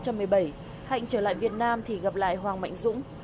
hạnh trở lại việt nam thì gặp lại hoàng mạnh dũng